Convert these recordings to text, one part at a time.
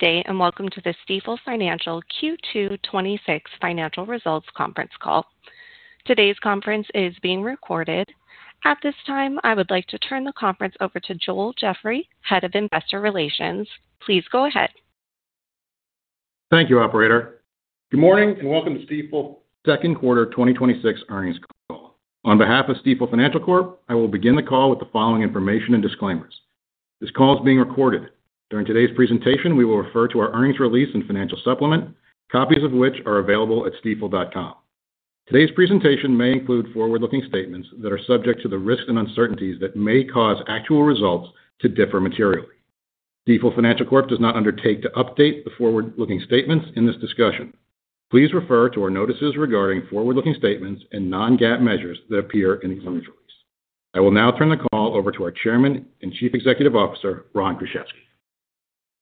Good day, welcome to the Stifel Financial Q2 2026 financial results conference call. Today's conference is being recorded. At this time, I would like to turn the conference over to Joel Jeffrey, Head of Investor Relations. Please go ahead. Thank you, operator. Good morning, welcome to Stifel second quarter 2026 earnings call. On behalf of Stifel Financial Corp, I will begin the call with the following information and disclaimers. This call is being recorded. During today's presentation, we will refer to our earnings release and financial supplement, copies of which are available at stifel.com. Today's presentation may include forward-looking statements that are subject to the risks and uncertainties that may cause actual results to differ materially. Stifel Financial Corp does not undertake to update the forward-looking statements in this discussion. Please refer to our notices regarding forward-looking statements and non-GAAP measures that appear in the earnings release. I will now turn the call over to our Chairman and Chief Executive Officer, Ron Kruszewski.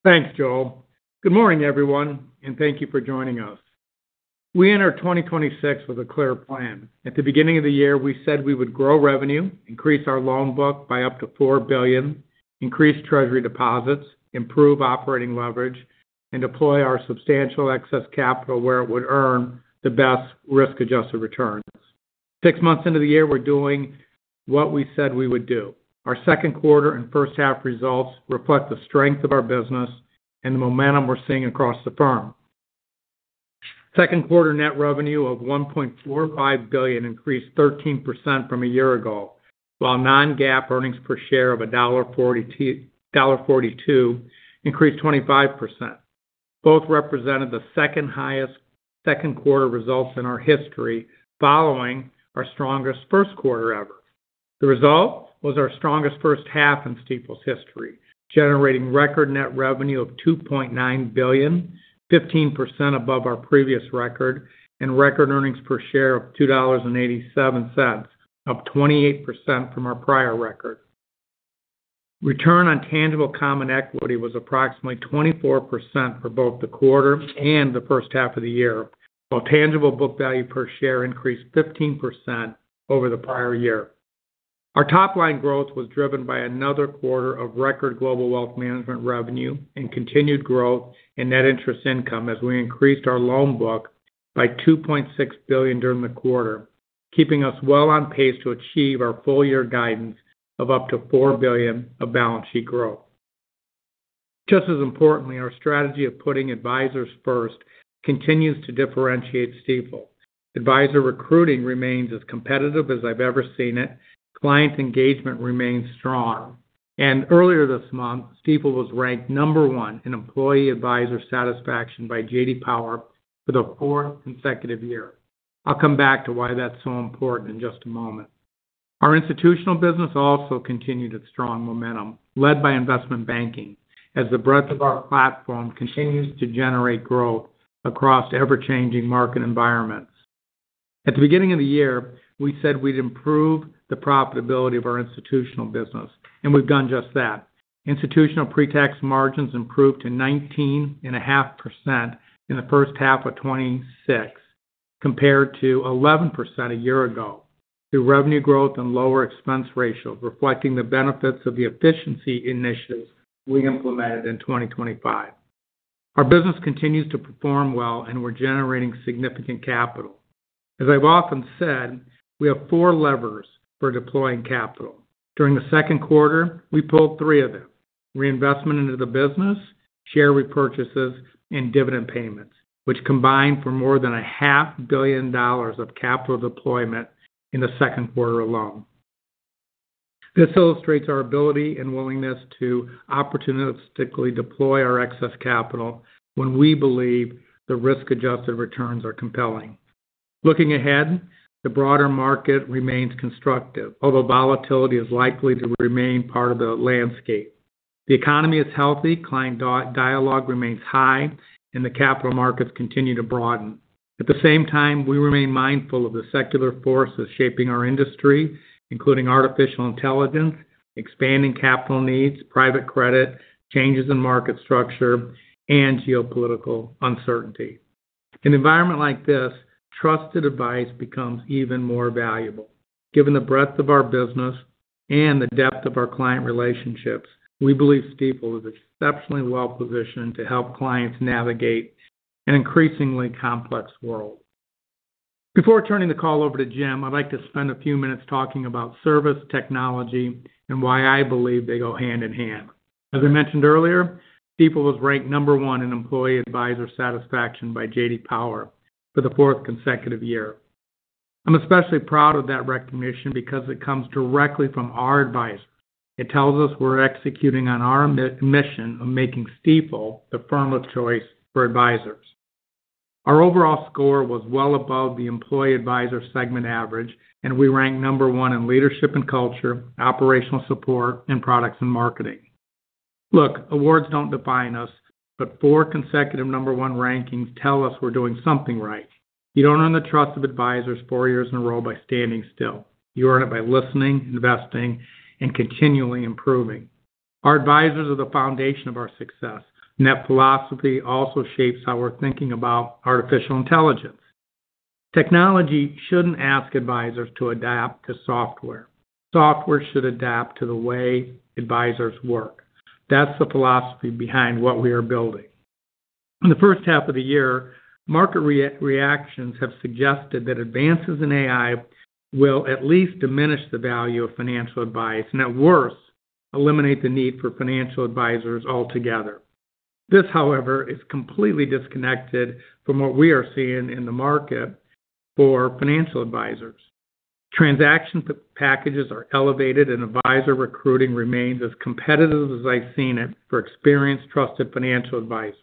Thanks, Joel. Good morning, everyone, thank you for joining us. We enter 2026 with a clear plan. At the beginning of the year, we said we would grow revenue, increase our loan book by up to $4 billion, increase treasury deposits, improve operating leverage, deploy our substantial excess capital where it would earn the best risk-adjusted returns. Six months into the year, we're doing what we said we would do. Our second quarter and first half results reflect the strength of our business and the momentum we're seeing across the firm. Second quarter net revenue of $1.45 billion increased 13% from a year ago, while non-GAAP earnings per share of $1.42 increased 25%. Both represented the second-highest second quarter results in our history following our strongest first quarter ever. The result was our strongest first half in Stifel's history, generating record net revenue of $2.9 billion, 15% above our previous record earnings per share of $2.87, up 28% from our prior record. Return on tangible common equity was approximately 24% for both the quarter and the first half of the year, while tangible book value per share increased 15% over the prior year. Our top-line growth was driven by another quarter of record Global Wealth Management revenue and continued growth in net interest income as we increased our loan book by $2.6 billion during the quarter, keeping us well on pace to achieve our full-year guidance of up to $4 billion of balance sheet growth. Just as importantly, our strategy of putting advisors first continues to differentiate Stifel. Advisor recruiting remains as competitive as I've ever seen it, client engagement remains strong, and earlier this month, Stifel was ranked number one in employee advisor satisfaction by J.D. Power for the fourth consecutive year. I'll come back to why that's so important in just a moment. Our Institutional Business also continued its strong momentum, led by investment banking, as the breadth of our platform continues to generate growth across ever-changing market environments. At the beginning of the year, we said we'd improve the profitability of our Institutional Business, and we've done just that. Institutional pre-tax margins improved to 19.5% in the first half of 2026, compared to 11% a year ago, through revenue growth and lower expense ratios reflecting the benefits of the efficiency initiatives we implemented in 2025. Our business continues to perform well and we're generating significant capital. As I've often said, we have four levers for deploying capital. During the second quarter, we pulled three of them, reinvestment into the business, share repurchases, and dividend payments, which combined for more than a $500 million of capital deployment in the second quarter alone. This illustrates our ability and willingness to opportunistically deploy our excess capital when we believe the risk-adjusted returns are compelling. Looking ahead, the broader market remains constructive, although volatility is likely to remain part of the landscape. The economy is healthy, client dialogue remains high, and the capital markets continue to broaden. At the same time, we remain mindful of the secular forces shaping our industry, including artificial intelligence, expanding capital needs, private credit, changes in market structure, and geopolitical uncertainty. In an environment like this, trusted advice becomes even more valuable. Given the breadth of our business and the depth of our client relationships, we believe Stifel is exceptionally well-positioned to help clients navigate an increasingly complex world. Before turning the call over to Jim, I'd like to spend a few minutes talking about service, technology, and why I believe they go hand in hand. As I mentioned earlier, Stifel was ranked number one in employee advisor satisfaction by J.D. Power for the fourth consecutive year. I'm especially proud of that recognition because it comes directly from our advisors. It tells us we're executing on our mission of making Stifel the firm of choice for advisors. Our overall score was well above the Employee Advisor segment average, and we ranked number one in leadership and culture, operational support, and products and marketing. Look, awards don't define us, but four consecutive number one rankings tell us we're doing something right. You don't earn the trust of advisors four years in a row by standing still. You earn it by listening, investing, and continually improving. Our advisors are the foundation of our success, and that philosophy also shapes how we're thinking about artificial intelligence. Technology shouldn't ask advisors to adapt to software. Software should adapt to the way advisors work. That's the philosophy behind what we are building. In the first half of the year, market reactions have suggested that advances in AI will at least diminish the value of financial advice, and at worst, eliminate the need for financial advisors altogether. This, however, is completely disconnected from what we are seeing in the market for financial advisors. Transaction packages are elevated, and advisor recruiting remains as competitive as I've seen it for experienced, trusted financial advisors.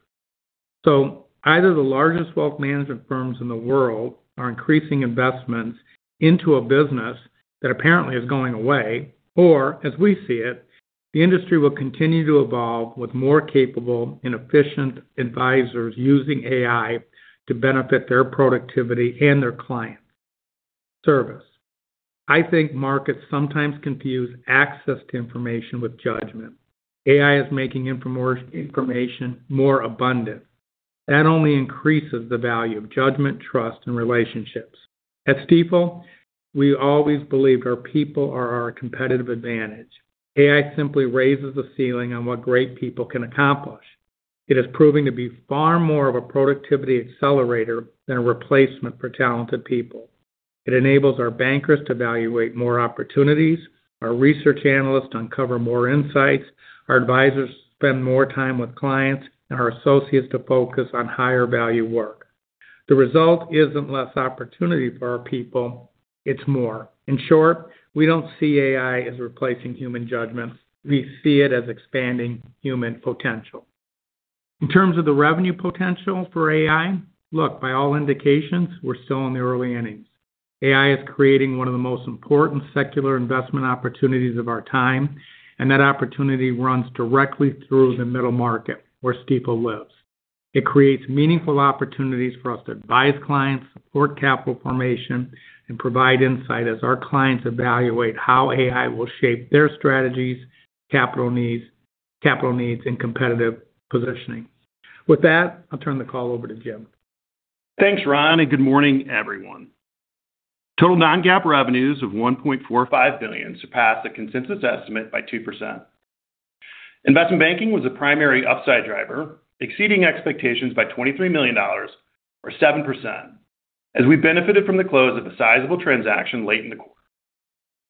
Either the largest wealth management firms in the world are increasing investments into a business that apparently is going away, or, as we see it, the industry will continue to evolve with more capable and efficient advisors using AI to benefit their productivity and their clients service. I think markets sometimes confuse access to information with judgment. AI is making information more abundant. That only increases the value of judgment, trust, and relationships. At Stifel, we always believed our people are our competitive advantage. AI simply raises the ceiling on what great people can accomplish. It is proving to be far more of a productivity accelerator than a replacement for talented people. It enables our bankers to evaluate more opportunities, our research analysts to uncover more insights, our advisors to spend more time with clients, and our associates to focus on higher-value work. The result isn't less opportunity for our people, it's more. In short, we don't see AI as replacing human judgment. We see it as expanding human potential. In terms of the revenue potential for AI, look, by all indications, we're still in the early innings. AI is creating one of the most important secular investment opportunities of our time, and that opportunity runs directly through the middle market where Stifel lives. It creates meaningful opportunities for us to advise clients, support capital formation, and provide insight as our clients evaluate how AI will shape their strategies, capital needs, and competitive positioning. With that, I'll turn the call over to Jim. Thanks, Ron, and good morning, everyone. Total non-GAAP revenues of $1.45 billion surpassed the consensus estimate by 2%. Investment banking was the primary upside driver, exceeding expectations by $23 million, or 7%, as we benefited from the close of a sizable transaction late in the quarter,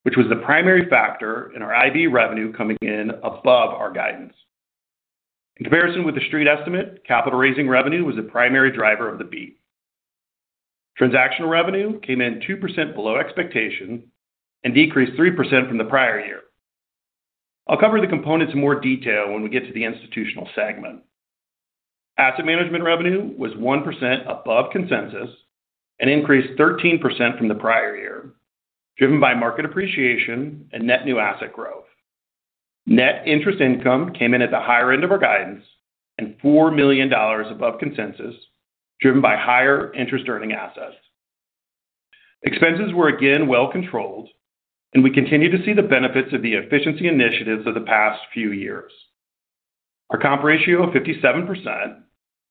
which was the primary factor in our IB revenue coming in above our guidance. In comparison with the street estimate, capital raising revenue was the primary driver of the beat. Transaction revenue came in 2% below expectation and decreased 3% from the prior year. I'll cover the components in more detail when we get to the institutional segment. Asset management revenue was 1% above consensus and increased 13% from the prior year, driven by market appreciation and net new asset growth. Net interest income came in at the higher end of our guidance and $4 million above consensus, driven by higher interest-earning assets. Expenses were again well controlled, and we continue to see the benefits of the efficiency initiatives of the past few years. Our comp ratio of 57%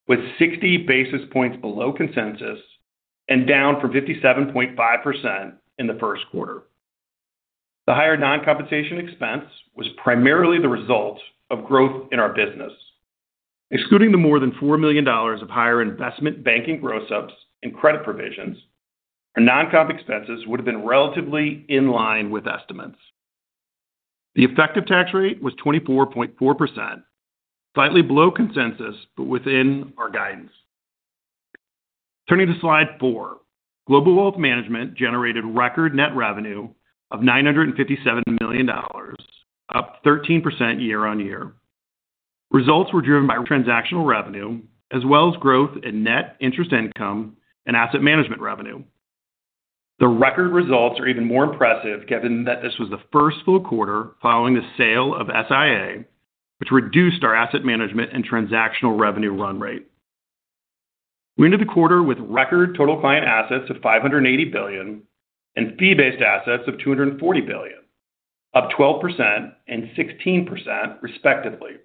was 60 basis points below consensus and down from 57.5% in the first quarter. The higher non-compensation expense was primarily the result of growth in our business. Excluding the more than $4 million of higher investment banking gross ups in credit provisions, our non-comp expenses would have been relatively in line with estimates. The effective tax rate was 24.4%, slightly below consensus, but within our guidance. Turning to slide four. Global Wealth Management generated record net revenue of $957 million, up 13% year-on-year. Results were driven by transactional revenue as well as growth in net interest income and asset management revenue. The record results are even more impressive given that this was the first full quarter following the sale of SIA, which reduced our asset management and transactional revenue run-rate. We entered the quarter with record total client assets of $580 billion and fee-based assets of $240 billion, up 12% and 16%,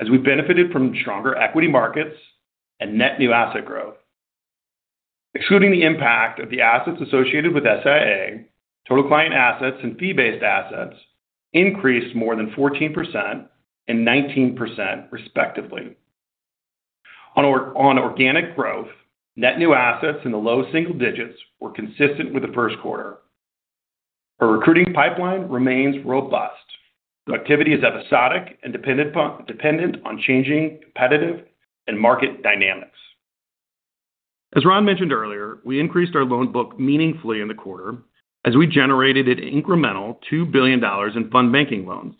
respectively, as we benefited from stronger equity markets and net new asset growth. Excluding the impact of the assets associated with SIA, total client assets and fee-based assets increased more than 14% and 19%, respectively. On organic growth, net new assets in the low single digits were consistent with the first quarter. Our recruiting pipeline remains robust. Productivity is episodic and dependent on changing competitive and market dynamics. As Ron mentioned earlier, we increased our loan book meaningfully in the quarter as we generated an incremental $2 billion in fund banking loans.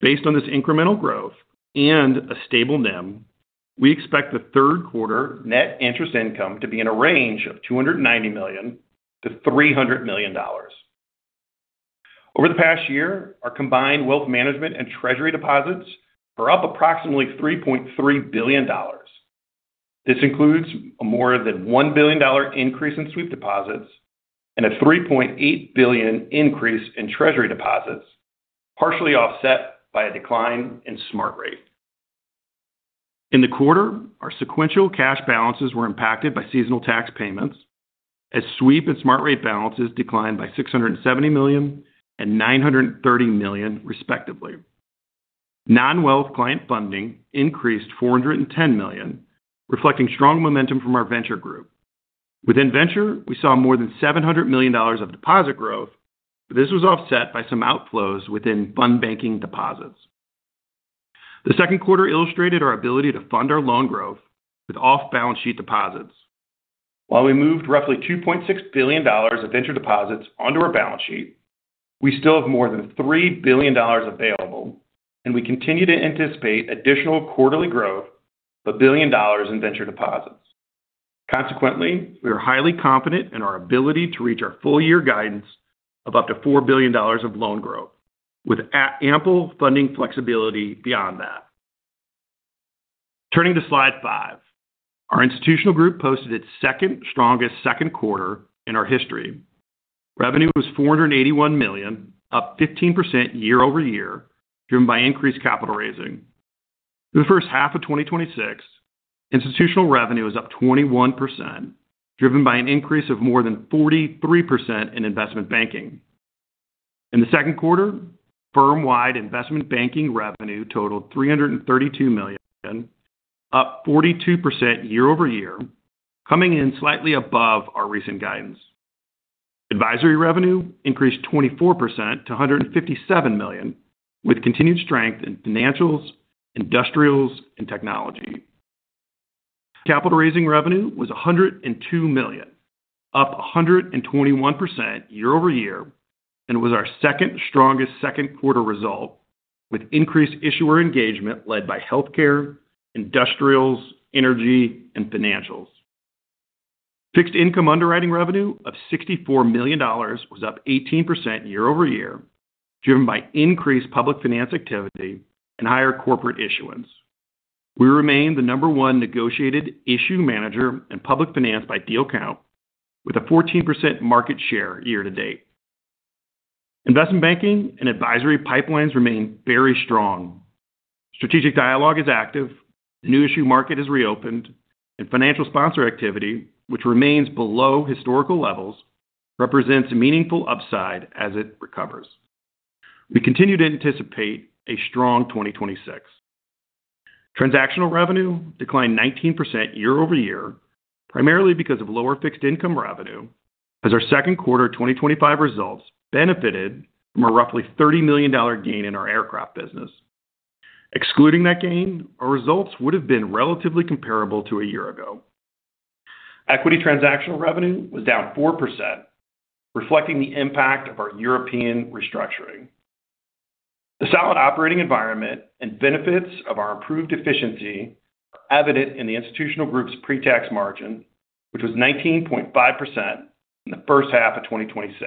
Based on this incremental growth and a stable NIM, we expect the third quarter net interest income to be in a range of $290 million-$300 million. Over the past year, our combined wealth management and treasury deposits were up approximately $3.3 billion. This includes a more than $1 billion increase in sweep deposits and a $3.8 billion increase in treasury deposits, partially offset by a decline in Stifel Smart Rate. In the quarter, our sequential cash balances were impacted by seasonal tax payments as sweep and Stifel Smart Rate balances declined by $670 million and $930 million, respectively. Non-wealth client funding increased $410 million, reflecting strong momentum from our venture group. Within venture, we saw more than $700 million of deposit growth, but this was offset by some outflows within fund banking deposits. The second quarter illustrated our ability to fund our loan growth with off-balance sheet deposits. While we moved roughly $2.6 billion of venture deposits onto our balance sheet, we still have more than $3 billion available, and we continue to anticipate additional quarterly growth of $1 billion in venture deposits. Consequently, we are highly confident in our ability to reach our full-year guidance of up to $4 billion of loan growth with ample funding flexibility beyond that. Turning to slide five. Our Institutional Group posted its second strongest second quarter in our history. Revenue was $481 million, up 15% year-over-year, driven by increased capital raising. Through the first half of 2026, institutional revenue is up 21%, driven by an increase of more than 43% in investment banking. In the second quarter, firm-wide investment banking revenue totaled $332 million, up 42% year-over-year, coming in slightly above our recent guidance. Advisory revenue increased 24% to $157 million, with continued strength in financials, industrials, and technology. Capital raising revenue was $102 million, up 121% year-over-year, and was our second strongest second quarter result, with increased issuer engagement led by healthcare, industrials, energy, and financials. Fixed income underwriting revenue of $64 million was up 18% year-over-year, driven by increased public finance activity and higher corporate issuance. We remain the number one negotiated issue manager in public finance by deal count, with a 14% market share year-to-date. Investment banking and advisory pipelines remain very strong. Strategic dialogue is active. The new issue market has reopened. Financial sponsor activity, which remains below historical levels, represents a meaningful upside as it recovers. We continue to anticipate a strong 2026. Transactional revenue declined 19% year-over-year, primarily because of lower fixed income revenue as our second quarter 2025 results benefited from a roughly $30 million gain in our aircraft business. Excluding that gain, our results would have been relatively comparable to a year ago. Equity transactional revenue was down 4%, reflecting the impact of our European restructuring. The solid operating environment and benefits of our improved efficiency are evident in the Institutional Group's pre-tax margin, which was 19.5% in the first half of 2026,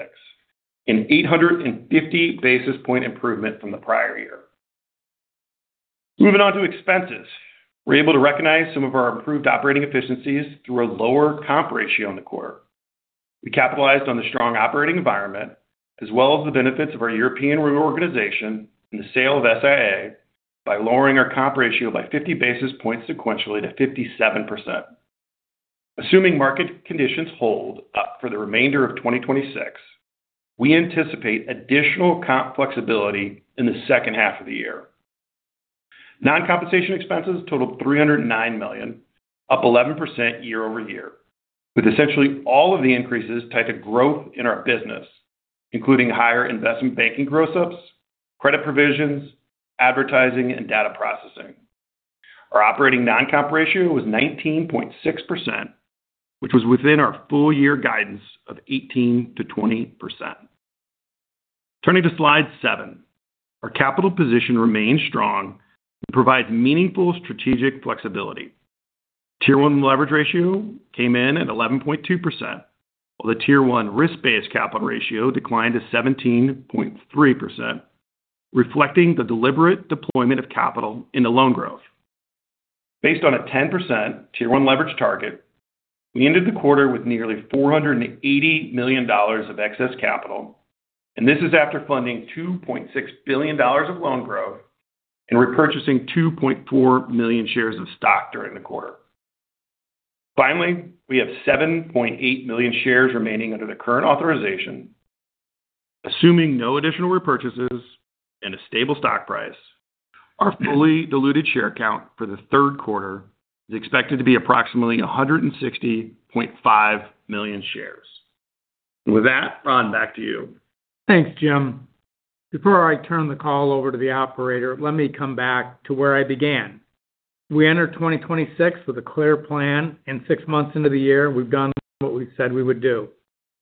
an 850 basis point improvement from the prior year. Moving on to expenses. We're able to recognize some of our improved operating efficiencies through our lower comp ratio in the quarter. We capitalized on the strong operating environment, as well as the benefits of our European reorganization and the sale of SIA by lowering our comp ratio by 50 basis points sequentially to 57%. Assuming market conditions hold up for the remainder of 2026, we anticipate additional comp flexibility in the second half of the year. Non-compensation expenses totaled $309 million, up 11% year-over-year, with essentially all of the increases tied to growth in our business, including higher investment banking gross-ups, credit provisions, advertising, and data processing. Our operating non-comp ratio was 19.6%, which was within our full-year guidance of 18%-20%. Turning to slide seven. Our capital position remains strong and provides meaningful strategic flexibility. Tier 1 leverage ratio came in at 11.2%, while the Tier 1 risk-based capital ratio declined to 17.3%, reflecting the deliberate deployment of capital into loan growth. Based on a 10% Tier 1 leverage target, we ended the quarter with nearly $480 million of excess capital. This is after funding $2.6 billion of loan growth and repurchasing 2.4 million shares of stock during the quarter. Finally, we have 7.8 million shares remaining under the current authorization. Assuming no additional repurchases and a stable stock price, our fully diluted share count for the third quarter is expected to be approximately 160.5 million shares. With that, Ron, back to you. Thanks, Jim. Before I turn the call over to the operator, let me come back to where I began. We entered 2026 with a clear plan. Six months into the year, we've done what we said we would do.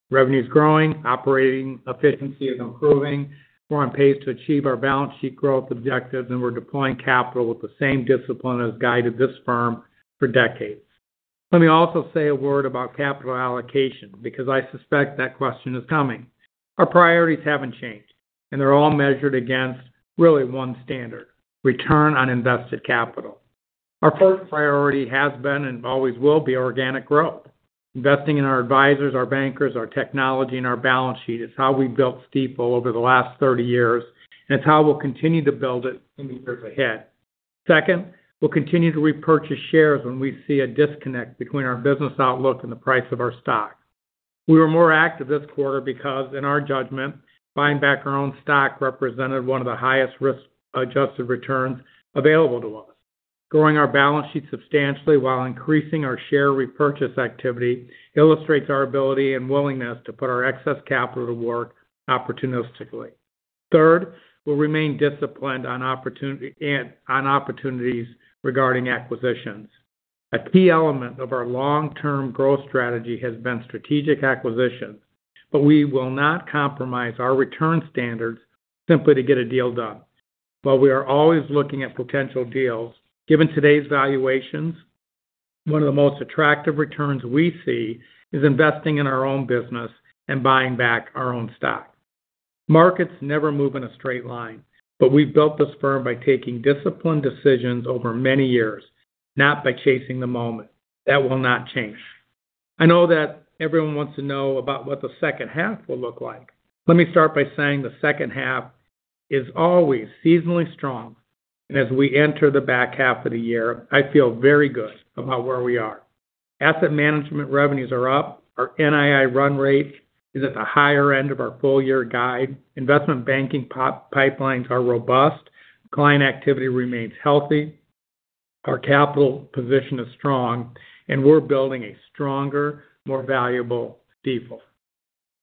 Revenue's growing, operating efficiency is improving. We're on pace to achieve our balance sheet growth objectives, and we're deploying capital with the same discipline that has guided this firm for decades. Let me also say a word about capital allocation, because I suspect that question is coming. Our priorities haven't changed. They're all measured against really one standard, return on invested capital. Our first priority has been and always will be organic growth. Investing in our advisors, our bankers, our technology, and our balance sheet is how we've built Stifel over the last 30 years. It's how we'll continue to build it in the years ahead. Second, we'll continue to repurchase shares when we see a disconnect between our business outlook and the price of our stock. We were more active this quarter because, in our judgment, buying back our own stock represented one of the highest risk-adjusted returns available to us. Growing our balance sheet substantially while increasing our share repurchase activity illustrates our ability and willingness to put our excess capital to work opportunistically. Third, we'll remain disciplined on opportunities regarding acquisitions. A key element of our long-term growth strategy has been strategic acquisitions, but we will not compromise our return standards simply to get a deal done. While we are always looking at potential deals, given today's valuations, one of the most attractive returns we see is investing in our own business and buying back our own stock. Markets never move in a straight line, we've built this firm by taking disciplined decisions over many years, not by chasing the moment. That will not change. I know that everyone wants to know about what the second half will look like. Let me start by saying the second half is always seasonally strong. As we enter the back half of the year, I feel very good about where we are. Asset management revenues are up. Our NII run-rate is at the higher end of our full-year guide. Investment banking pipelines are robust. Client activity remains healthy. Our capital position is strong. We're building a stronger, more valuable Stifel.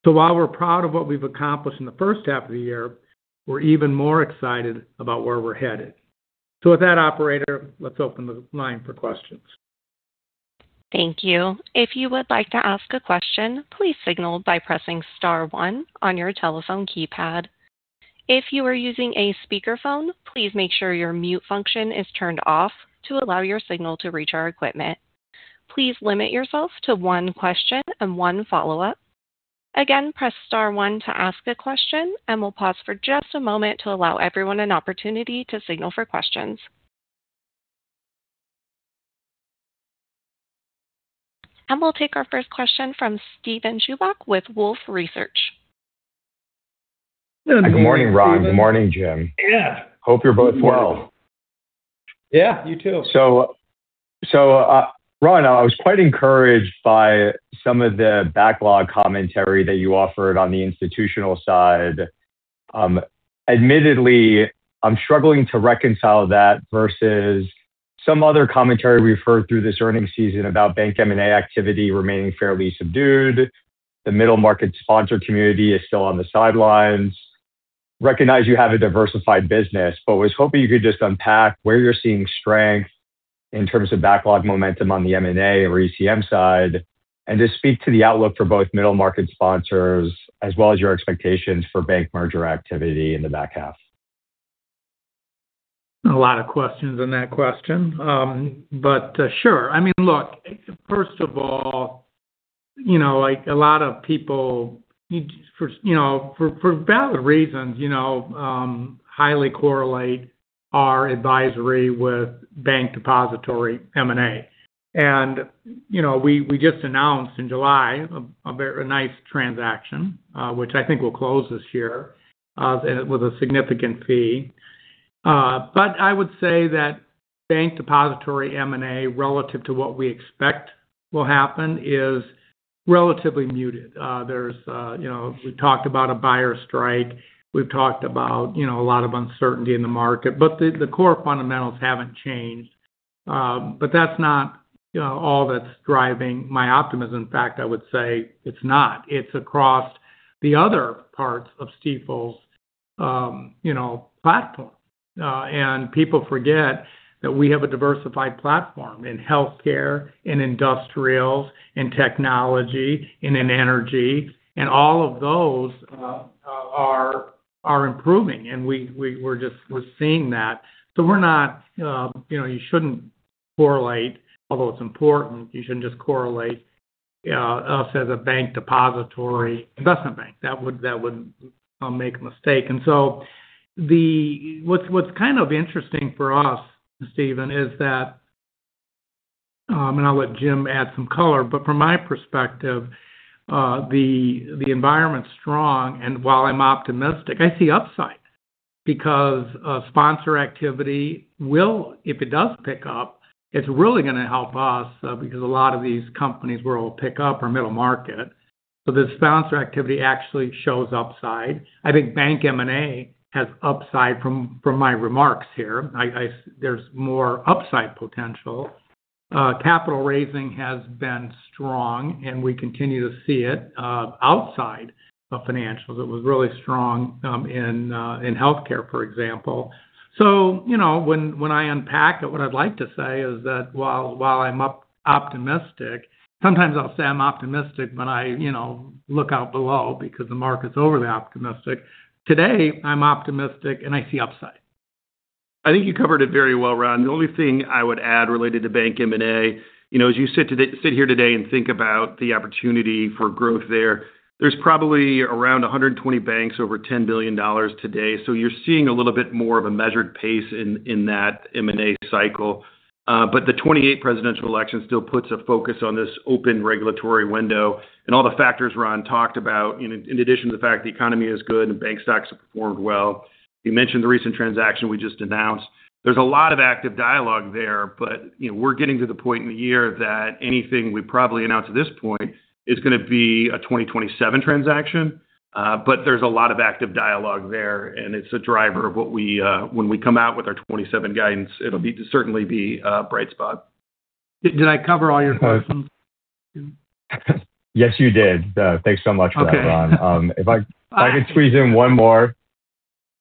While we're proud of what we've accomplished in the first half of the year, we're even more excited about where we're headed. With that, operator, let's open the line for questions. Thank you. If you would like to ask a question, please signal by pressing star one on your telephone keypad. If you are using a speakerphone, please make sure your mute function is turned off to allow your signal to reach our equipment. Please limit yourself to one question and one follow-up. Again, press star one to ask a question, and we'll pause for just a moment to allow everyone an opportunity to signal for questions. We'll take our first question from Steven Chubak with Wolfe Research. Good morning, Ron. Good morning, Jim. Yeah. Hope you're both well. Yeah, you too. Ron, I was quite encouraged by some of the backlog commentary that you offered on the institutional side. Admittedly, I'm struggling to reconcile that versus some other commentary we've heard through this earnings season about bank M&A activity remaining fairly subdued. The middle market sponsor community is still on the sidelines. Recognize you have a diversified business, but was hoping you could just unpack where you're seeing strength in terms of backlog momentum on the M&A or ECM side, and just speak to the outlook for both middle market sponsors, as well as your expectations for bank merger activity in the back half. A lot of questions in that question. Sure. Look, first of all, a lot of people, for valid reasons highly correlate our advisory with bank depository M&A. We just announced in July a very nice transaction, which I think will close this year, with a significant fee. I would say that bank depository M&A relative to what we expect will happen is relatively muted. We talked about a buyer strike. We've talked about a lot of uncertainty in the market. The core fundamentals haven't changed. That's not all that's driving my optimism. In fact, I would say it's not. It's across the other parts of Stifel's platform. People forget that we have a diversified platform in healthcare, in industrials, in technology, and in energy. All of those are improving. We're seeing that. Although it's important, you shouldn't just correlate us as a bank depository investment bank. That would make a mistake. What's kind of interesting for us, Steven, is that, and I'll let Jim add some color, but from my perspective, the environment's strong. While I'm optimistic, I see upside because sponsor activity will, if it does pick up, it's really going to help us because a lot of these companies where it'll pick up are middle market. The sponsor activity actually shows upside. I think bank M&A has upside from my remarks here. There's more upside potential. Capital raising has been strong, and we continue to see it outside of financials. It was really strong in healthcare, for example. When I unpack it, what I'd like to say is that while I'm optimistic, sometimes I'll say I'm optimistic when I look out below because the market's overly optimistic. Today, I'm optimistic, and I see upside. I think you covered it very well, Ron. The only thing I would add related to bank M&A, as you sit here today and think about the opportunity for growth there's probably around 120 banks over $10 billion today. You're seeing a little bit more of a measured pace in that M&A cycle. The 2028 Presidential Election still puts a focus on this open regulatory window and all the factors Ron talked about, in addition to the fact the economy is good and bank stocks have performed well. You mentioned the recent transaction we just announced. There's a lot of active dialogue there, but we're getting to the point in the year that anything we probably announce at this point is going to be a 2027 transaction. There's a lot of active dialogue there, and it's a driver of when we come out with our 2027 guidance, it'll certainly be a bright spot. Did I cover all your questions? Yes, you did. Thanks so much for that, Ron. Okay. If I could squeeze in one more.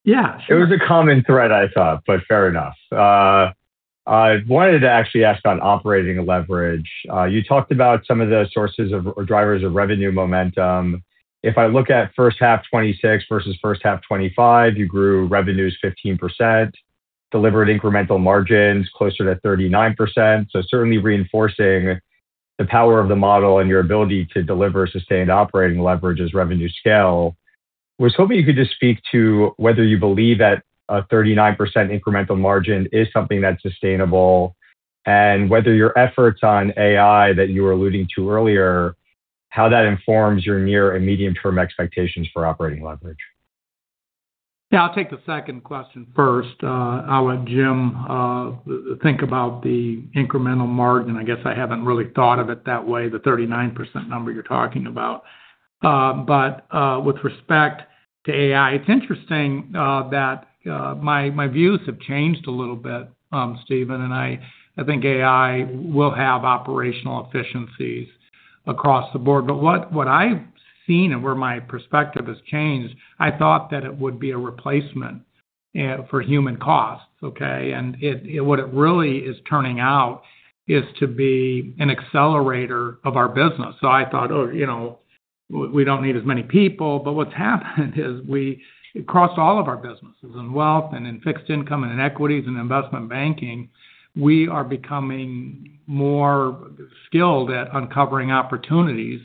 Yeah, sure. It was a common thread, I saw, but fair enough. I wanted to actually ask on operating leverage. You talked about some of the sources of or drivers of revenue momentum. If I look at first half 2026 versus first half 2025, you grew revenues 15%, delivered incremental margins closer to 39%. Certainly reinforcing the power of the model and your ability to deliver sustained operating leverage as revenues scale. Was hoping you could just speak to whether you believe that a 39% incremental margin is something that's sustainable, and whether your efforts on AI that you were alluding to earlier, how that informs your near-and medium-term expectations for operating leverage? Yeah, I'll take the second question first. I'll let Jim think about the incremental margin. I guess I haven't really thought of it that way, the 39% number you're talking about. With respect to AI, it's interesting that my views have changed a little bit, Steven, and I think AI will have operational efficiencies across the board. What I've seen and where my perspective has changed, I thought that it would be a replacement for human costs, okay? What it really is turning out is to be an accelerator of our business. I thought, oh, we don't need as many people. What's happened is across all of our businesses, in wealth and in fixed income and in equities and investment banking, we are becoming more skilled at uncovering opportunities,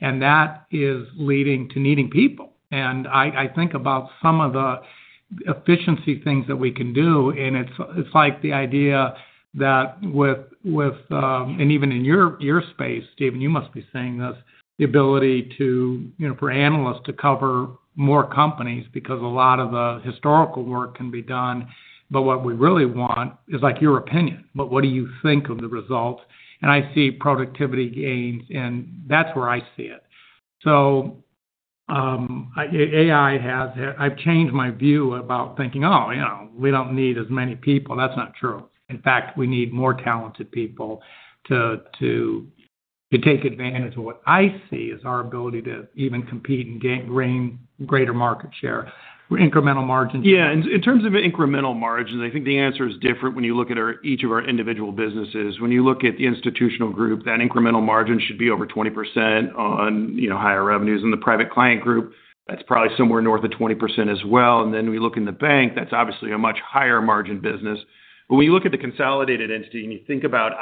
and that is leading to needing people. I think about some of the efficiency things that we can do, and it's like the idea that even in your space, Steven, you must be seeing this, the ability for analysts to cover more companies because a lot of the historical work can be done. What we really want is your opinion. What do you think of the results? I see productivity gains, and that's where I see it. AI I've changed my view about thinking, oh, we don't need as many people. That's not true. In fact, we need more talented people to take advantage of what I see as our ability to even compete and gain greater market share. Incremental margins- Yeah. In terms of incremental margins, I think the answer is different when you look at each of our individual businesses. When you look at the Institutional Group, that incremental margin should be over 20% on higher revenues. In the Private Client Group, that's probably somewhere north of 20% as well. We look in the bank, that's obviously a much higher margin business. When you look at the consolidated entity and you think about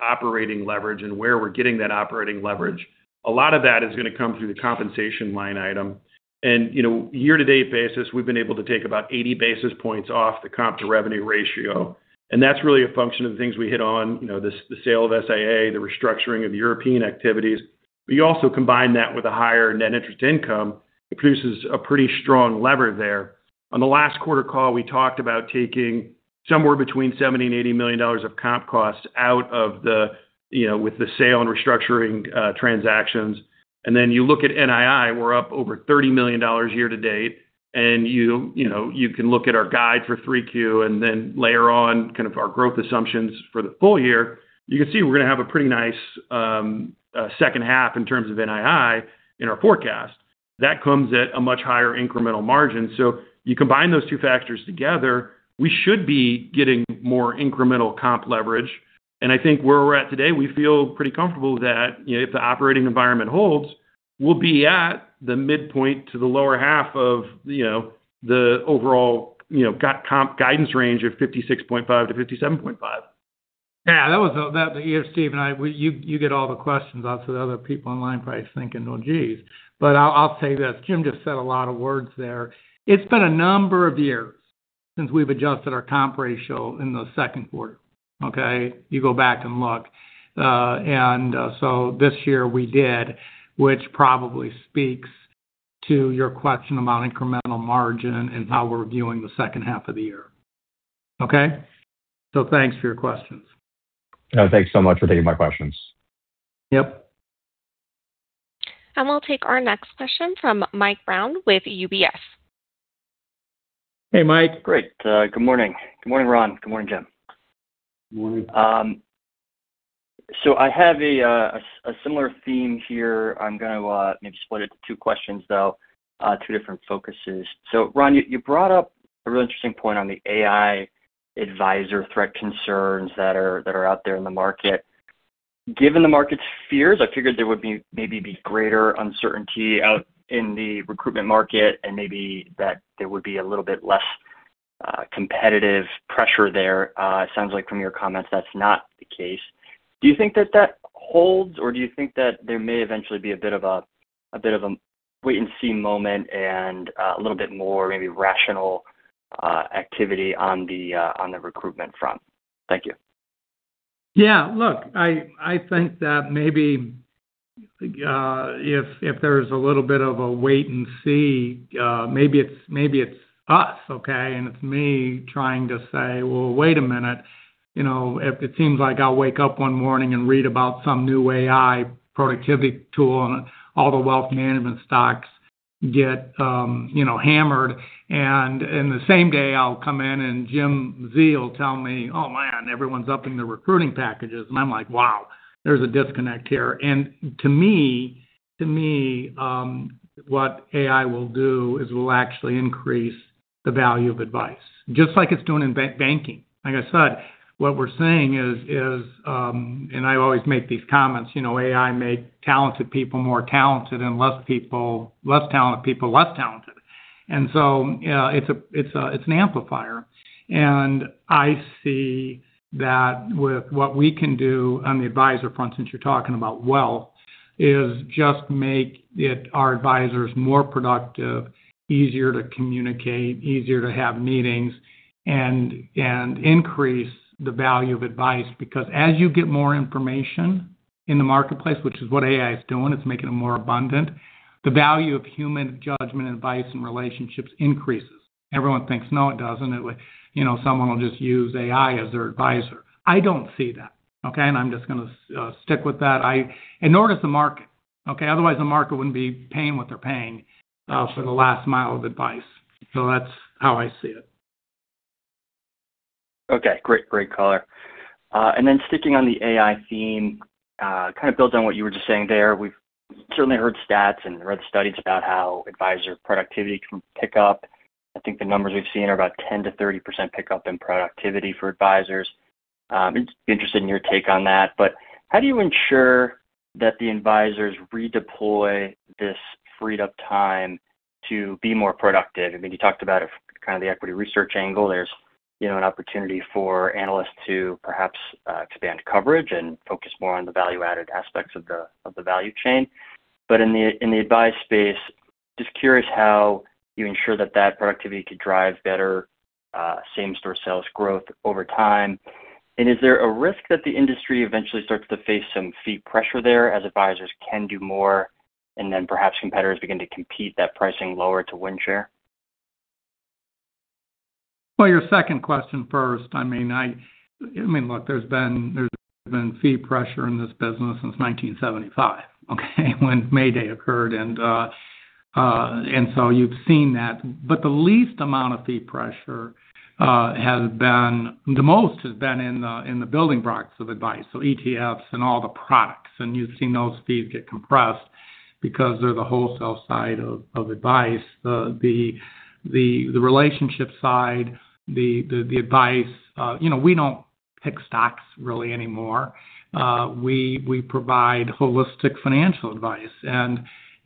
operating leverage and where we're getting that operating leverage, a lot of that is going to come through the compensation line item. Year to date basis, we've been able to take about 80 basis points off the comp to revenue ratio. That's really a function of the things we hit on, the sale of SIA, the restructuring of European activities. You also combine that with a higher net interest income. It produces a pretty strong lever there. On the last quarter call, we talked about taking somewhere between $70 million-$80 million of comp costs out with the sale and restructuring transactions. Then you look at NII, we're up over $30 million year-to-date. You can look at our guide for 3Q then layer on kind of our growth assumptions for the full year. You can see we're going to have a pretty nice second half in terms of NII in our forecast. That comes at a much higher incremental margin. You combine those two factors together, we should be getting more incremental comp leverage. I think where we're at today, we feel pretty comfortable that if the operating environment holds, we'll be at the midpoint to the lower half of the overall comp guidance range of 56.5%-57.5%. Yeah. Here, Steven, you get all the questions. Also, the other people online are probably thinking, well, geez. I'll tell you this, Jim just said a lot of words there. It's been a number of years since we've adjusted our comp ratio in the second quarter. Okay? You go back and look. This year we did, which probably speaks to your question about incremental margin and how we're viewing the second half of the year. Okay? Thanks for your questions. Thanks so much for taking my questions. Yep. We'll take our next question from Mike Brown with UBS. Hey, Mike. Great. Good morning. Good morning, Ron. Good morning, Jim. Good morning. I have a similar theme here. I'm going to maybe split it to two questions, though. Two different focuses. Ron, you brought up a real interesting point on the AI advisor threat concerns that are out there in the market. Given the market's fears, I figured there would maybe be greater uncertainty out in the recruitment market and maybe that there would be a little bit less competitive pressure there. It sounds like from your comments, that's not the case. Do you think that that holds, or do you think that there may eventually be a bit of a wait-and-see moment and a little bit more maybe rational activity on the recruitment front? Thank you. Yeah, look, I think that maybe if there's a little bit of a wait and see, maybe it's us, okay? It's me trying to say, well, wait a minute. It seems like I'll wake up one morning and read about some new AI productivity tool, and all the wealth management stocks get hammered. In the same day, I'll come in, and Jim will tell me, oh, man, everyone's upping their recruiting packages. I'm like, wow, there's a disconnect here. To me, what AI will do is will actually increase the value of advice, just like it's doing in banking. Like I said, what we're seeing is, and I always make these comments, AI make talented people more talented and less talented people less talented. So, it's an amplifier. I see that with what we can do on the advisor front, since you're talking about wealth, is just make our advisors more productive, easier to communicate, easier to have meetings, and increase the value of advice. Because as you get more information in the marketplace, which is what AI is doing, it's making it more abundant, the value of human judgment, advice, and relationships increases. Everyone thinks, no, it doesn't. Someone will just use AI as their advisor. I don't see that, okay? I'm just going to stick with that, and nor does the market. Otherwise, the market wouldn't be paying what they're paying for the last mile of advice. That's how I see it. Okay, great color. Then sticking on the AI theme, kind of builds on what you were just saying there. We've certainly heard stats and read studies about how advisor productivity can pick up. I think the numbers we've seen are about 10%-30% pickup in productivity for advisors. Interested in your take on that, but how do you ensure that the advisors redeploy this freed-up time to be more productive? You talked about it from the equity research angle. There's an opportunity for analysts to perhaps expand coverage and focus more on the value-added aspects of the value chain. In the advice space, just curious how you ensure that that productivity could drive better same-store sales growth over time. Is there a risk that the industry eventually starts to face some fee pressure there as advisors can do more, and then perhaps competitors begin to compete that pricing lower to win share? Well, your second question first. Look, there's been fee pressure in this business since 1975, okay? When May Day occurred. You've seen that. The least amount of fee pressure has been. The most has been in the building blocks of advice, so ETFs and all the products. You've seen those fees get compressed because they're the wholesale side of advice. The relationship side, the advice, we don't pick stocks really anymore. We provide holistic financial advice.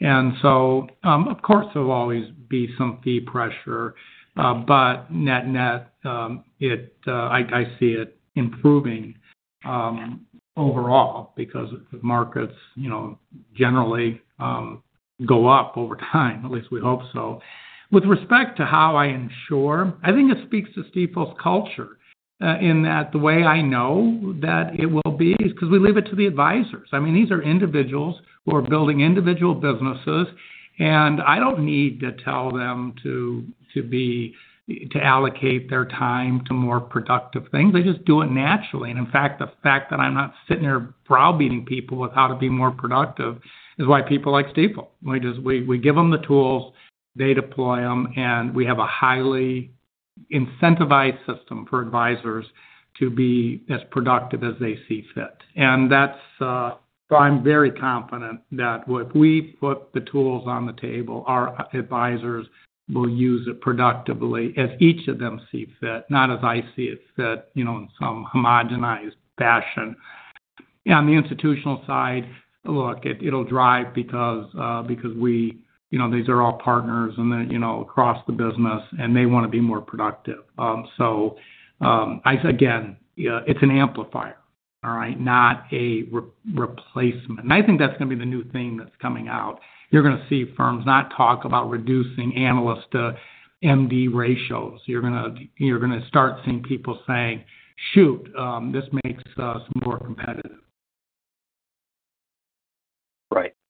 Of course, there'll always be some fee pressure. Net net, I see it improving overall because markets generally go up over time, at least we hope so. With respect to how I ensure, I think it speaks to Stifel's culture in that the way I know that it will be is because we leave it to the advisors. These are individuals who are building individual businesses. I don't need to tell them to allocate their time to more productive things. They just do it naturally. In fact, the fact that I'm not sitting here browbeating people with how to be more productive is why people like Stifel. We give them the tools, they deploy them. We have a highly incentivized system for advisors to be as productive as they see fit. I'm very confident that if we put the tools on the table, our advisors will use it productively as each of them see fit, not as I see it fit in some homogenized fashion. On the institutional side, look, it'll drive because these are all partners. Across the business, they want to be more productive. Again, it's an amplifier, all right? Not a replacement. I think that's going to be the new thing that's coming out. You're going to see firms not talk about reducing analyst-to-MD ratios. You're going to start seeing people saying, shoot, this makes us more competitive.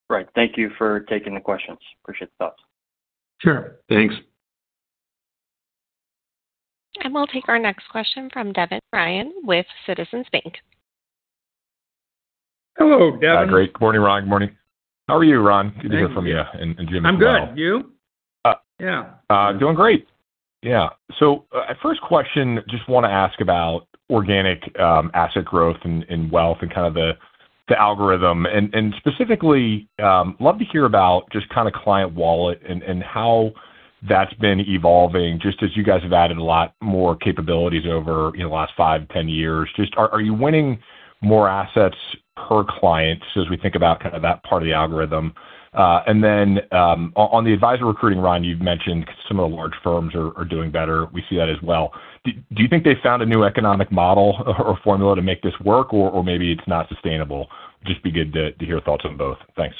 Right. Thank you for taking the questions. Appreciate the thoughts. Sure. Thanks. We'll take our next question from Devin Ryan with Citizens Bank. Hello, Devin. Great. Good morning, Ron. Good morning. How are you, Ron? Good to hear from you and Jim as well. I'm good. You? Yeah. Doing great. Yeah. First question, just want to ask about organic asset growth in wealth and kind of the algorithm, and specifically, love to hear about just kind of client wallet and how that's been evolving just as you guys have added a lot more capabilities over the last 5 to 10 years. Just are you winning more assets per client as we think about that part of the algorithm? On the advisor recruiting, Ron, you've mentioned some of the large firms are doing better. We see that as well. Do you think they found a new economic model or formula to make this work? Or maybe it's not sustainable? Just be good to hear thoughts on both. Thanks.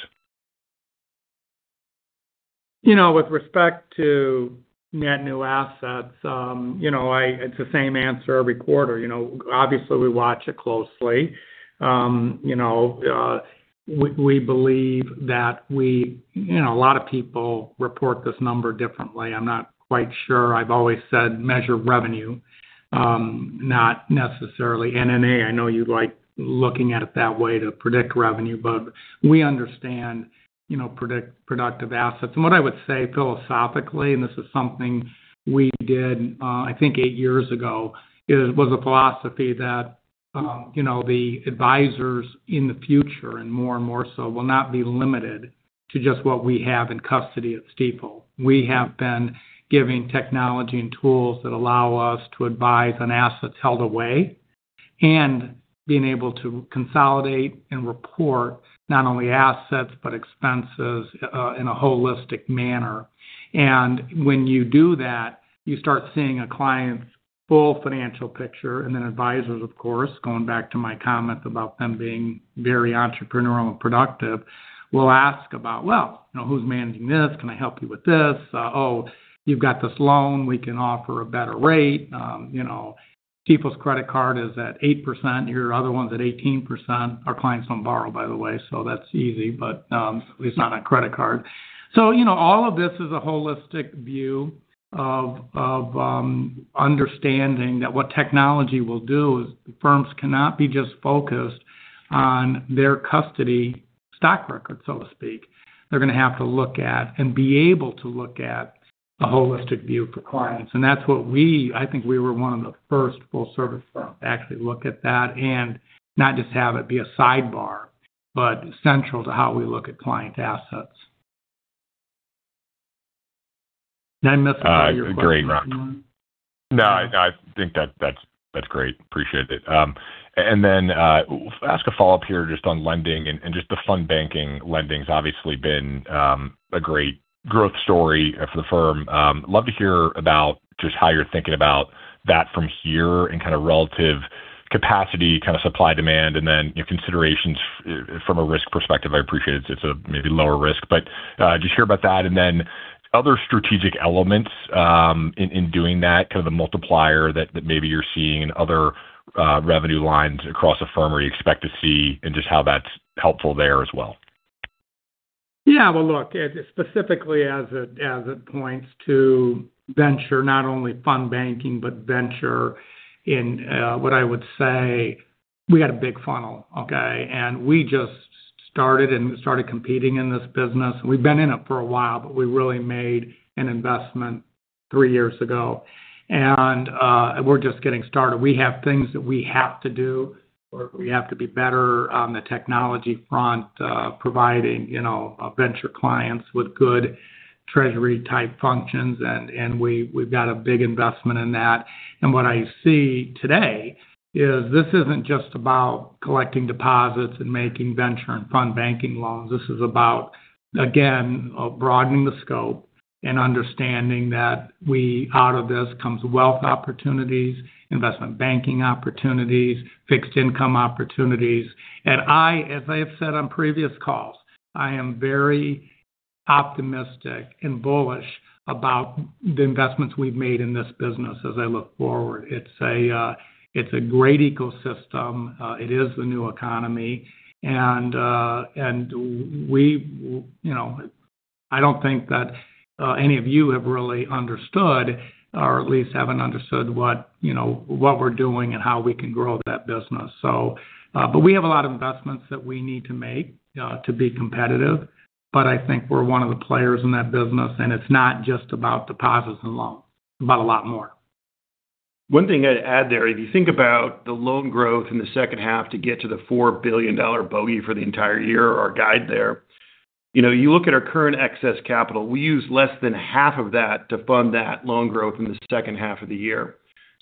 With respect to net new assets, it's the same answer every quarter. Obviously, we watch it closely. We believe that a lot of people report this number differently. I'm not quite sure. I've always said measure revenue, not necessarily NNA. I know you like looking at it that way to predict revenue, but we understand productive assets. What I would say philosophically, this is something we did, I think, eight years ago, it was a philosophy that the advisors in the future, and more and more so, will not be limited to just what we have in custody at Stifel. We have been giving technology and tools that allow us to advise on assets held away, being able to consolidate and report not only assets, but expenses in a holistic manner. When you do that, you start seeing a client's full financial picture. Then advisors, of course, going back to my comments about them being very entrepreneurial and productive, will ask about, well, who's managing this? Can I help you with this? Oh, you've got this loan, we can offer a better rate. Stifel's credit card is at 8%, your other one's at 18%." Our clients don't borrow, by the way, so that's easy, but at least not a credit card. All of this is a holistic view of understanding that what technology will do is firms cannot be just focused on their custody stock record, so to speak. They're going to have to look at and be able to look at a holistic view for clients. That's what I think we were one of the first full-service firms to actually look at that and not just have it be a sidebar, but central to how we look at client assets. Did I miss the part of your question, Devin? No, I think that's great. Appreciate it. Then ask a follow-up here just on lending and just the fund banking lending's obviously been a great growth story for the firm. Love to hear about just how you're thinking about that from here and kind of relative capacity, kind of supply-demand, and then considerations from a risk perspective. I appreciate it's a maybe lower-risk, but just hear about that and then other strategic elements in doing that, kind of the multiplier that maybe you're seeing in other revenue lines across a firm or you expect to see and just how that's helpful there as well. Yeah. Well, look, specifically as it points to venture, not only fund banking, but venture in what I would say we got a big funnel, okay? We just started competing in this business. We've been in it for a while, but we really made an investment three years ago. We're just getting started. We have things that we have to do, or we have to be better on the technology front, providing venture clients with good treasury-type functions. We've got a big investment in that. What I see today is this isn't just about collecting deposits and making venture and fund banking loans. This is about, again, broadening the scope and understanding that out of this comes wealth opportunities, investment banking opportunities, fixed income opportunities. As I have said on previous calls, I am very optimistic and bullish about the investments we've made in this business as I look forward. It's a great ecosystem. It is the new economy. I don't think that any of you have really understood, or at least haven't understood what we're doing and how we can grow that business. We have a lot of investments that we need to make to be competitive, but I think we're one of the players in that business, and it's not just about deposits and loans. It's about a lot more. One thing I'd add there, if you think about the loan growth in the second half to get to the $4 billion bogey for the entire year or our guide there, you look at our current excess capital. We use less than half of that to fund that loan growth in the second half of the year.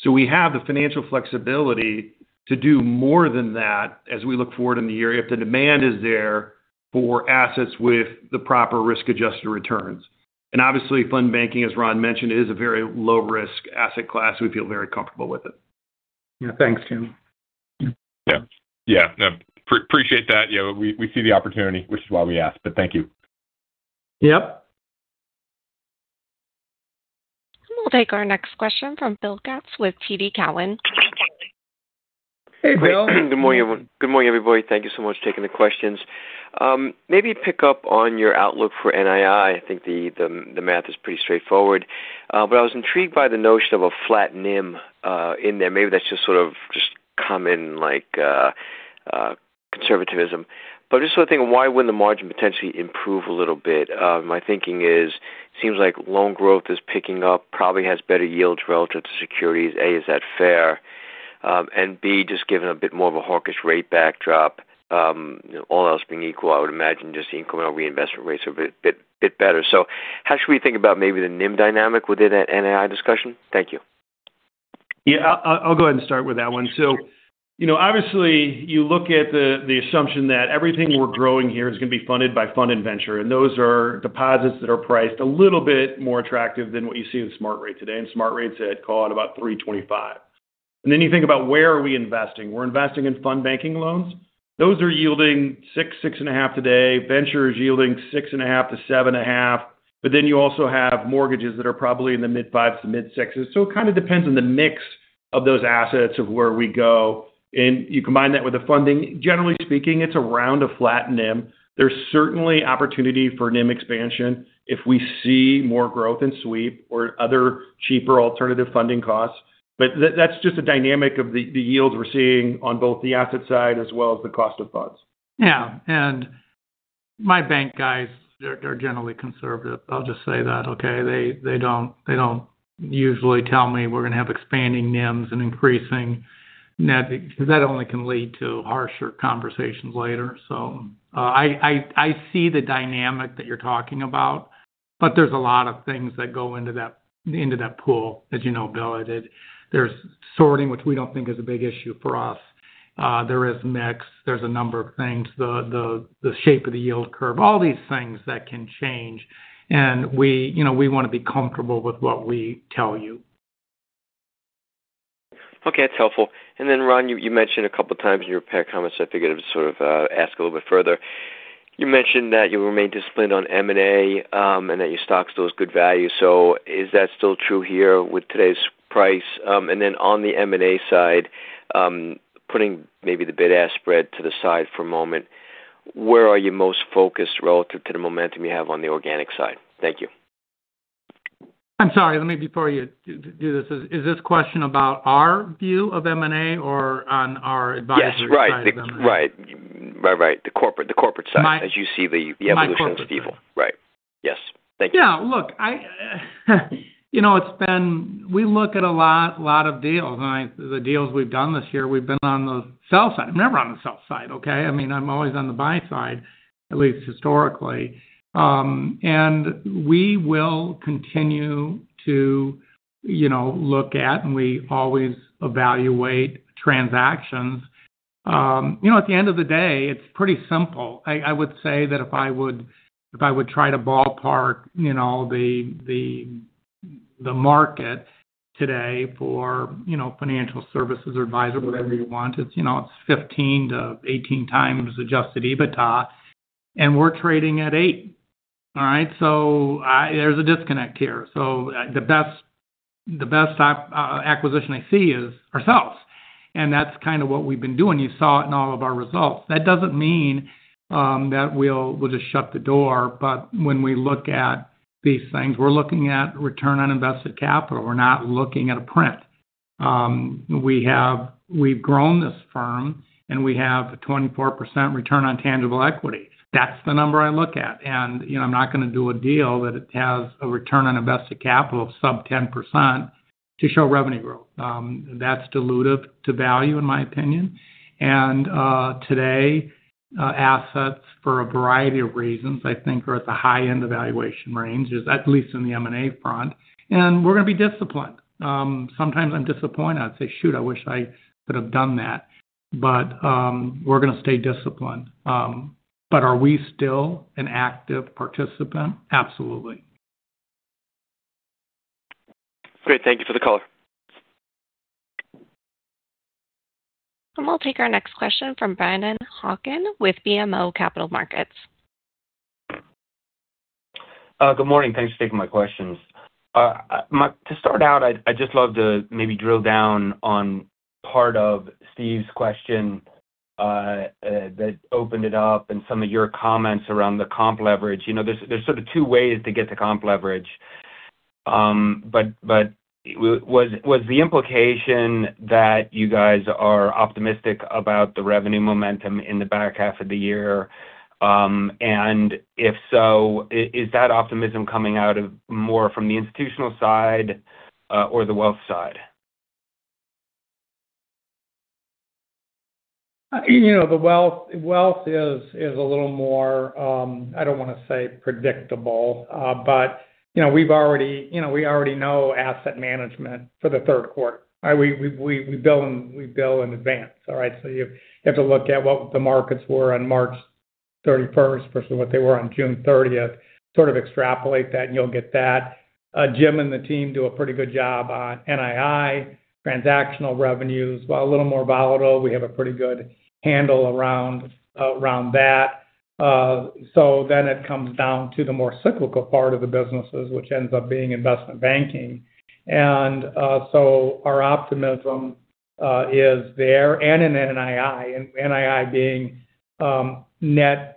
We have the financial flexibility to do more than that as we look forward in the year if the demand is there for assets with the proper risk-adjusted returns. Obviously, fund banking, as Ron mentioned, is a very low-risk asset class. We feel very comfortable with it. Yeah. Thanks, Jim. Yeah. Appreciate that. We see the opportunity, which is why we ask, but thank you. Yep. We'll take our next question from Bill Katz with TD Cowen. Hey, Bill. Good morning, everyone. Good morning, everybody. Thank you so much for taking the questions. Maybe pick up on your outlook for NII. I think the math is pretty straightforward. I was intrigued by the notion of a flat NIM in there. Maybe that's just sort of just come in like conservatism. Just sort of thinking, why wouldn't the margin potentially improve a little bit? My thinking is, it seems like loan growth is picking up, probably has better yields relative to securities. A, is that fair? B, just given a bit more of a hawkish rate backdrop. All else being equal, I would imagine just the incremental reinvestment rates are a bit better. How should we think about maybe the NIM dynamic within that NII discussion? Thank you. Yeah. I'll go ahead and start with that one. Obviously you look at the assumption that everything we're growing here is going to be funded by fund and venture, and those are deposits that are priced a little bit more attractive than what you see with Smart Rate today, and Smart Rate's at, call it about 3.25%. Then you think about where are we investing? We're investing in fund banking loans. Those are yielding 6%-6.5% today. Venture is yielding 6.5%-7.5%. Then you also have mortgages that are probably in the mid-5%s to mid-6%s. It kind of depends on the mix of those assets of where we go. You combine that with the funding, generally speaking, it's around a flat NIM. There's certainly opportunity for NIM expansion if we see more growth in sweep or other cheaper alternative funding costs. That's just a dynamic of the yields we're seeing on both the asset side as well as the cost of funds. Yeah. My bank guys are generally conservative. I'll just say that, okay? They don't usually tell me we're going to have expanding NIMs and increasing net because that only can lead to harsher conversations later. I see the dynamic that you're talking about, but there's a lot of things that go into that pool as you know, Bill. There's sorting, which we don't think is a big issue for us. There is mix, there's a number of things, the shape of the yield curve, all these things that can change. We want to be comfortable with what we tell you. Okay. That's helpful. Ron, you mentioned a couple of times in your prepared comments, I figured I would sort of ask a little bit further. You mentioned that you remain disciplined on M&A, and that your stock still is good value. Is that still true here with today's price? On the M&A side, putting maybe the bid-ask spread to the side for a moment, where are you most focused relative to the momentum you have on the organic side? Thank you. I'm sorry. Let me, before you do this, is this question about our view of M&A or on our advisory side of M&A? Yes. Right. The corporate side. My corporate side. As you see the evolution of Stifel. Right. Yes. Thank you. Yeah, look. We look at a lot of deals. The deals we've done this year, we've been on the sell side. I'm never on the sell side. Okay? I'm always on the buy side, at least historically. We will continue to look at, and we always evaluate transactions. At the end of the day, it's pretty simple. I would say that if I would try to ballpark the market today for financial services or advisor, whatever you want, it's 15x-18x adjusted EBITDA, and we're trading at 8x. All right? There's a disconnect here. The best acquisition I see is ourselves, and that's kind of what we've been doing. You saw it in all of our results. That doesn't mean that we'll just shut the door. When we look at these things, we're looking at return on invested capital. We're not looking at a print. We've grown this firm, and we have a 24% return on tangible equity. That's the number I look at. I'm not going to do a deal that has a return on invested capital of sub 10% to show revenue growth. That's dilutive to value, in my opinion. Today assets for a variety of reasons, I think are at the high end of valuation ranges, at least in the M&A front. We're going to be disciplined. Sometimes I'm disappointed. I say, shoot, I wish I could have done that." We're going to stay disciplined. Are we still an active participant? Absolutely. Great. Thank you for the color. We'll take our next question from Brennan Hawken with BMO Capital Markets. Good morning. Thanks for taking my questions. To start out, I'd just love to maybe drill down on part of Steve's question that opened it up and some of your comments around the comp leverage. There's sort of two ways to get to comp leverage. Was the implication that you guys are optimistic about the revenue momentum in the back half of the year? If so, is that optimism coming out of more from the institutional side or the wealth side? Wealth is a little more, I don't want to say predictable. We already know asset management for the third quarter. We bill in advance. All right? You have to look at what the markets were on March 31st versus what they were on June 30th, sort of extrapolate that, and you'll get that. Jim and the team do a pretty good job on NII. Transactional revenues, while a little more volatile, we have a pretty good handle around that. It comes down to the more cyclical part of the businesses, which ends up being investment banking. Our optimism is there and in NII. NII being net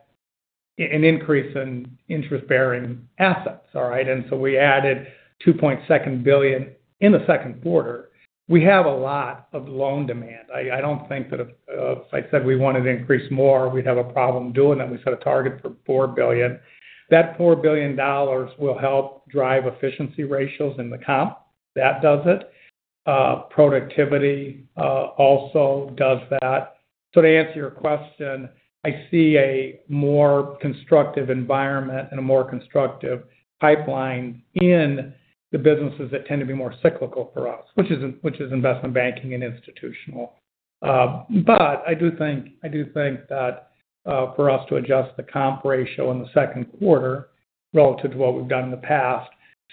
an increase in interest-bearing assets. All right? We added $2.6 billion in the second quarter. We have a lot of loan demand. I don't think that if I said we wanted to increase more, we'd have a problem doing that. We set a target for $4 billion. That $4 billion will help drive efficiency ratios in the comp. That does it. Productivity also does that. To answer your question, I see a more constructive environment and a more constructive pipeline in the businesses that tend to be more cyclical for us, which is investment banking and Institutional. I do think that for us to adjust the comp ratio in the second quarter relative to what we've done in the past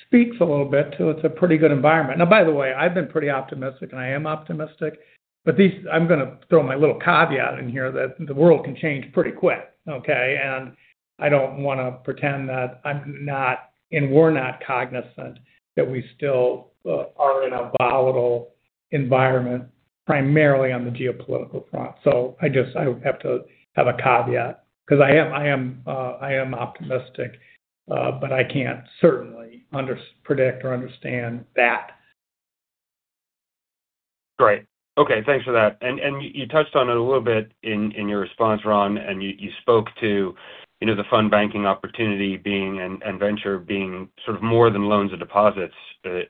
speaks a little bit to it's a pretty good environment. Now, by the way, I've been pretty optimistic, and I am optimistic, but I'm going to throw my little caveat in here that the world can change pretty quick. I don't want to pretend that I'm not, and we're not cognizant that we still are in a volatile environment, primarily on the geopolitical front. I just have to have a caveat because I am optimistic, but I can't certainly predict or understand that. Great. Okay. Thanks for that. You touched on it a little bit in your response, Ron, and you spoke to the fund banking opportunity being and venture being sort of more than loans and deposits,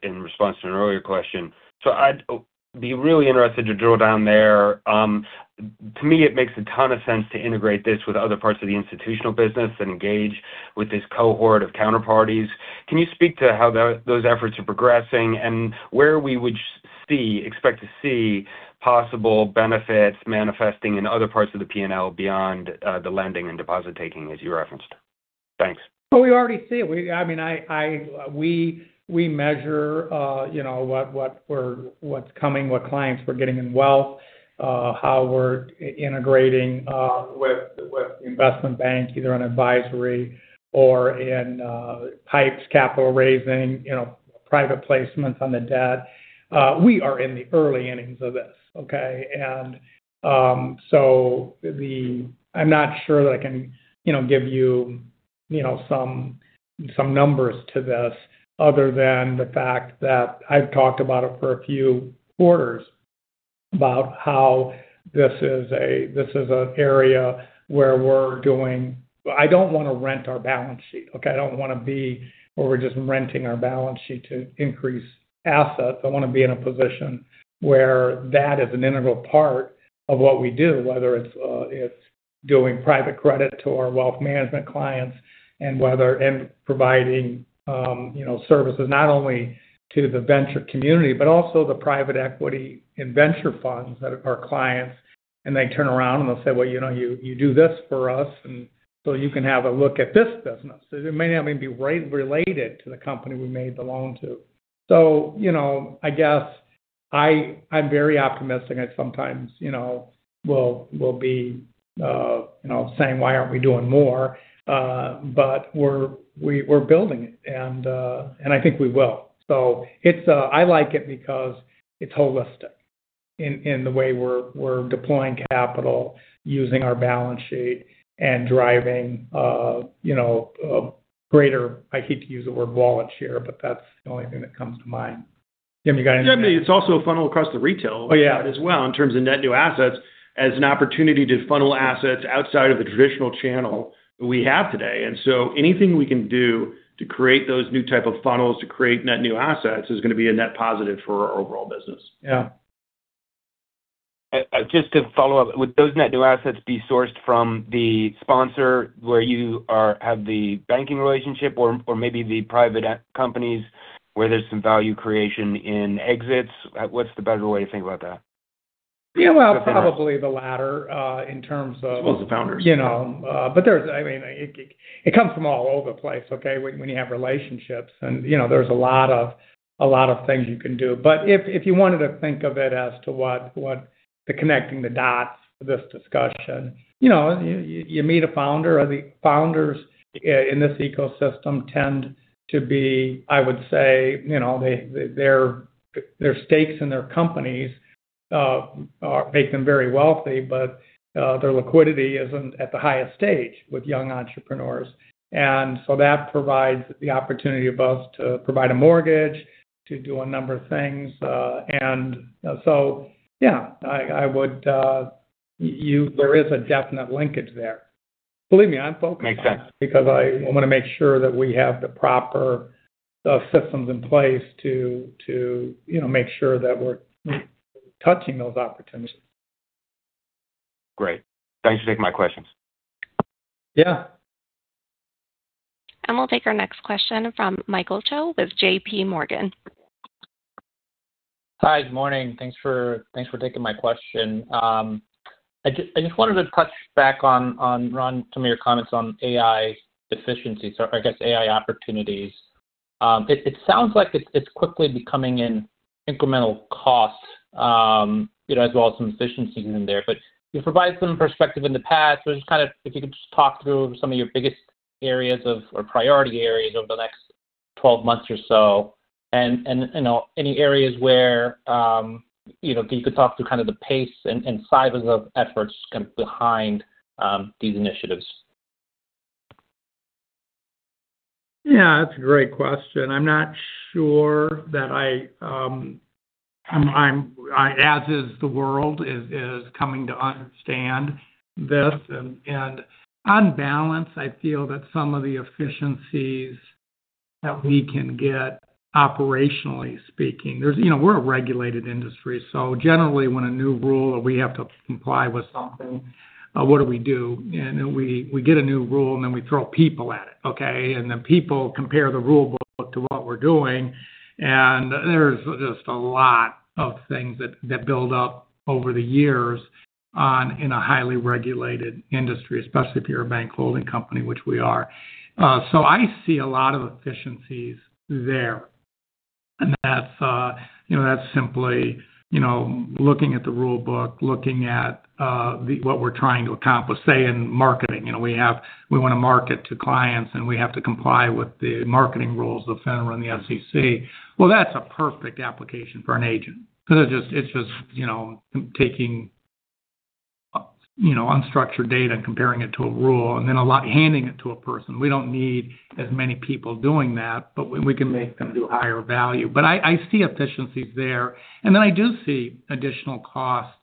in response to an earlier question. I'd be really interested to drill down there. To me, it makes a ton of sense to integrate this with other parts of the Institutional Business and engage with this cohort of counterparties. Can you speak to how those efforts are progressing and where we would expect to see possible benefits manifesting in other parts of the P&L beyond the lending and deposit-taking, as you referenced? Thanks. Well, we already see it. We measure what's coming, what clients we're getting in wealth, how we're integrating with investment banks, either on advisory or in pipes capital raising, private placements on the debt. We are in the early innings of this. I'm not sure that I can give you some numbers to this other than the fact that I've talked about it for a few quarters about how this is an area where we're going. I don't want to rent our balance sheet. I don't want to be where we're just renting our balance sheet to increase assets. I want to be in a position where that is an integral part of what we do, whether it's doing private credit to our wealth management clients and providing services not only to the venture community, but also the private equity and venture funds that are clients. They turn around, and they'll say, well, you do this for us, and so you can have a look at this business. It may not even be related to the company we made the loan to. I guess I'm very optimistic. I sometimes will be saying, why aren't we doing more? We're building it. I think we will. I like it because it's holistic in the way we're deploying capital using our balance sheet and driving greater, I hate to use the word wallet share, but that's the only thing that comes to mind. Jim, you got anything to add? Yeah. I mean, it's also a funnel across the retail- Oh, yeah. side as well in terms of net new assets as an opportunity to funnel assets outside of the traditional channel that we have today. Anything we can do to create those new type of funnels to create net new assets is going to be a net positive for our overall business. Yeah. Just to follow up, would those net new assets be sourced from the sponsor where you have the banking relationship or maybe the private companies where there's some value creation in exits? What's the better way to think about that? Yeah. Well, probably the latter in terms of. I suppose the Founders. It comes from all over the place, okay. When you have relationships and there's a lot of things you can do. If you wanted to think of it as to what the connecting the dots for this discussion. You meet a Founder, or the Founders in this ecosystem tend to be, I would say, their stakes in their companies make them very wealthy, but their liquidity isn't at the highest stage with young entrepreneurs. That provides the opportunity of both to provide a mortgage, to do a number of things. Yeah, there is a definite linkage there. Believe me, I'm focused on it. Makes sense I want to make sure that we have the proper systems in place to make sure that we're touching those opportunities. Great. Thanks for taking my questions. Yeah. We'll take our next question from Michael Cho with JPMorgan. Hi. Good morning. Thanks for taking my question. I just wanted to touch back on, Ron, some of your comments on AI efficiencies or I guess AI opportunities. It sounds like it's quickly becoming an incremental cost, as well as some efficiencies in there. You provided some perspective in the past. Just if you could just talk through some of your biggest areas of, or priority areas over the next 12 months or so and any areas where you could talk through kind of the pace and sizes of efforts behind these initiatives. Yeah. That's a great question. I'm not sure that as the world is coming to understand this. On balance, I feel that some of the efficiencies that we can get operationally speaking. We're a regulated industry, so generally when a new rule or we have to comply with something, what do we do? We get a new rule, and then we throw people at it. Okay? Then people compare the rule book to what we're doing, and there's just a lot of things that build up over the years in a highly regulated industry, especially if you're a bank holding company, which we are. I see a lot of efficiencies there, and that's simply looking at the rule book, looking at what we're trying to accomplish, say in marketing. We want to market to clients, and we have to comply with the marketing rules of FINRA and the SEC. Well, that's a perfect application for an agent because it's just taking unstructured data and comparing it to a rule, and then handing it to a person. We don't need as many people doing that. We can make them do higher value. I see efficiencies there. Then I do see additional costs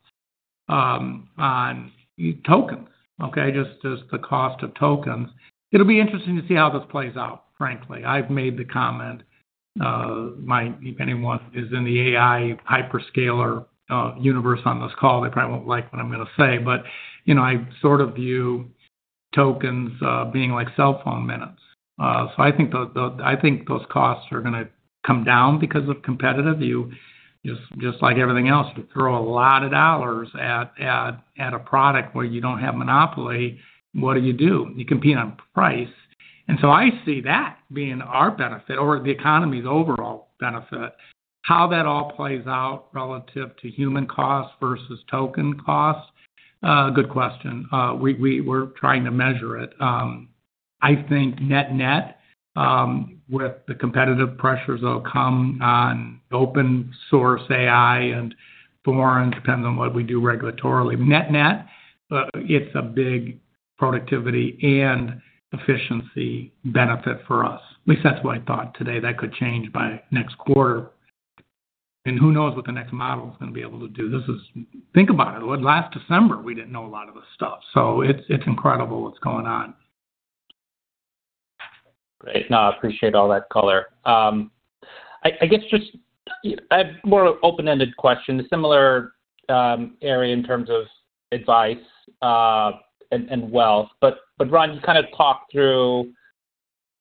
on tokens. Okay? Just as the cost of tokens. It'll be interesting to see how this plays out, frankly. I've made the comment. If anyone is in the AI hyperscaler universe on this call, they probably won't like what I'm going to say, but I sort of view tokens being like cell phone minutes. I think those costs are going to come down because of competitive view. Just like everything else, you throw a lot of dollars at a product where you don't have monopoly, what do you do? You compete on price. I see that being our benefit or the economy's overall benefit. How that all plays out relative to human costs versus token costs, good question. We're trying to measure it. I think net net, with the competitive pressures that'll come on open source AI and for more independent on what we do regulatorily. Net net, it's a big productivity and efficiency benefit for us. At least that's what I thought today. That could change by next quarter. Who knows what the next model's going to be able to do. Think about it. Last December, we didn't know a lot of this stuff, so it's incredible what's going on. Great. I appreciate all that color. I guess just I have more open-ended question, a similar area in terms of advice and wealth. Ron, you kind of talked through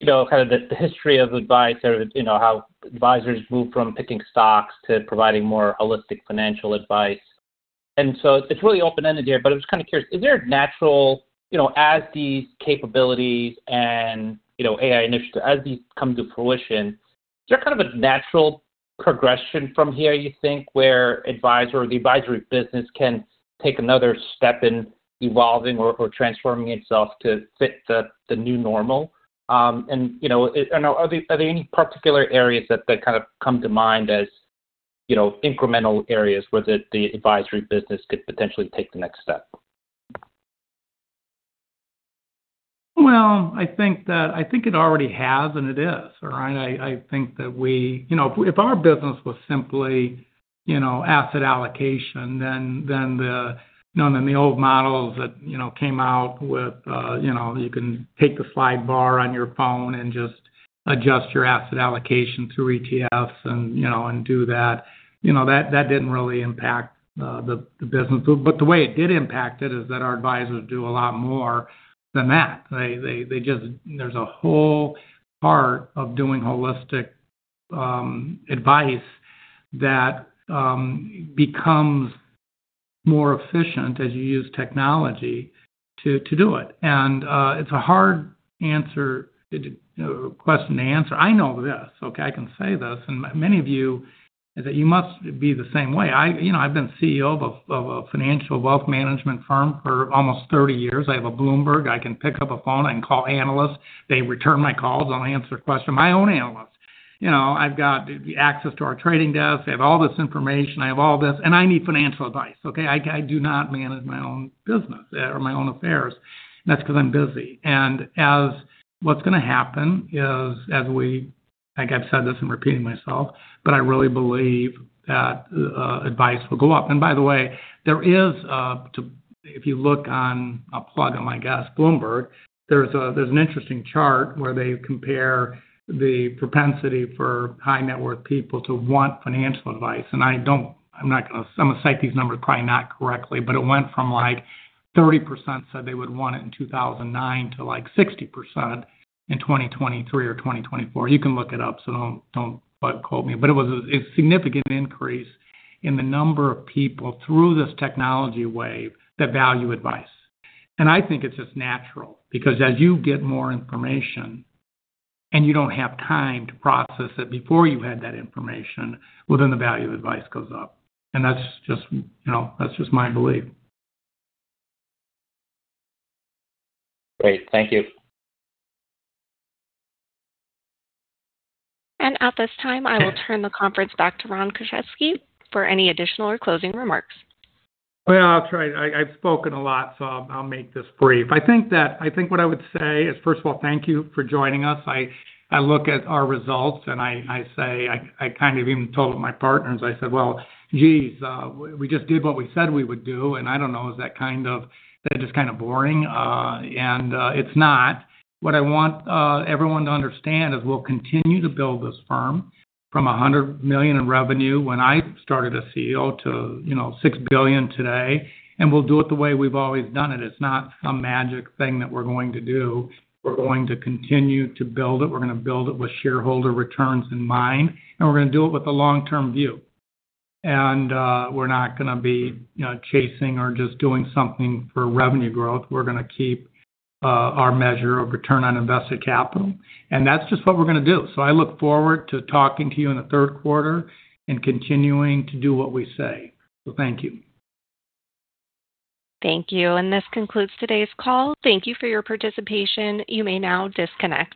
kind of the history of advice or how advisors move from picking stocks to providing more holistic financial advice. It's really open-ended here, but I'm just kind of curious, is there a natural, as these capabilities and AI initiatives, as these come to fruition, is there kind of a natural progression from here you think where the advisory business can take another step in evolving or transforming itself to fit the new normal? Are there any particular areas that kind of come to mind as incremental areas where the advisory business could potentially take the next step? Well, I think it already has, and it is. If our business was simply asset allocation, the old models that came out with you can take the slide bar on your phone and just adjust your asset allocation through ETFs and do that. That didn't really impact the business. The way it did impact it is that our advisors do a lot more than that. There's a whole part of doing holistic advice that becomes more efficient as you use technology to do it. It's a hard question to answer. I know this, okay? I can say this, and many of you must be the same way. I've been CEO of a financial wealth management firm for almost 30 years. I have a Bloomberg. I can pick up a phone. I can call analysts. They return my calls. I'll answer a question. My own analyst. I've got the access to our trading desk. I have all this information. I have all this, I need financial advice, okay? I do not manage my own business or my own affairs, that's because I'm busy. As what's going to happen is, I think I've said this, I'm repeating myself, I really believe that advice will go up. By the way, if you look on a plug on my guest, Bloomberg, there's an interesting chart where they compare the propensity for high-net-worth people to want financial advice. I'm going to cite these numbers probably not correctly, it went from like 30% said they would want it in 2009 to like 60% in 2023 or 2024. You can look it up, so don't quote me. It was a significant increase in the number of people through this technology wave that value advice. I think it's just natural because as you get more information and you don't have time to process it before you had that information, the value advice goes up. That's just my belief. Great. Thank you. At this time, I will turn the conference back to Ron Kruszewski for any additional or closing remarks. Well, I'll try. I've spoken a lot, so I'll make this brief. I think what I would say is, first of all, thank you for joining us. I look at our results, and I kind of even told my partners, I said, well, geez. We just did what we said we would do, and I don't know. Is that just kind of boring? It's not. What I want everyone to understand is we'll continue to build this firm from $100 million in revenue when I started a CEO to $6 billion today, and we'll do it the way we've always done it. It's not some magic thing that we're going to do. We're going to continue to build it. We're going to build it with shareholder returns in mind, and we're going to do it with a long-term view. We're not going to be chasing or just doing something for revenue growth. We're going to keep our measure of return on invested capital, and that's just what we're going to do. I look forward to talking to you in the third quarter and continuing to do what we say. Thank you. Thank you. This concludes today's call. Thank you for your participation. You may now disconnect.